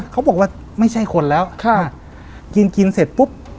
เขาบอกว่าไม่ใช่คนแล้วกินกินเสร็จปุ๊บ